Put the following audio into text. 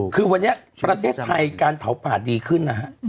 คือวันนี้ประเทศไทยการเผาป่าดีขึ้นนะฮะ